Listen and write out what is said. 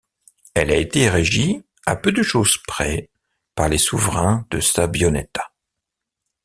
Elle a été régie, à peu de chose près, par les souverains de Sabbioneta.